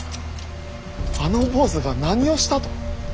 あの坊主が何をしたと！